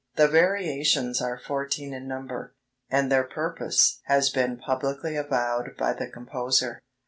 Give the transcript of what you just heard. The Variations are fourteen in number, and their purpose has been publicly avowed by the composer.